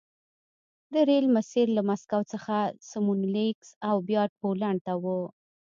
د ریل مسیر له مسکو څخه سمولینکس او بیا پولنډ ته و